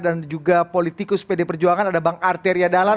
dan juga politikus pd perjuangan ada bang arteria dalan